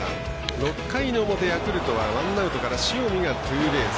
６回の表、ヤクルトはワンアウトから塩見がツーベース。